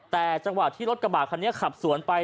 แต่จังหวะที่รถกระบาดคันนี้ขับสวนไป